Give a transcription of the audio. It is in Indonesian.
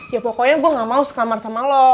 ya pokoknya gue gak mau sekamar sama lo